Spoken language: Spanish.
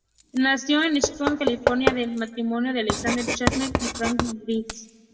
Nació en Stockton, California del matrimonio de Alexander Chalmers y Frances Wilkens.